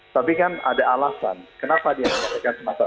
tapi kan ada alasan kenapa dia